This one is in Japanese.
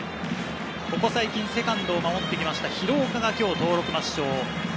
ここ最近、セカンドを守ってきた廣岡が今日、登録抹消。